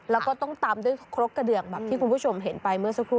แล้วก็ต้องตำด้วยครกกระเดือกแบบที่คุณผู้ชมเห็นไปเมื่อสักครู่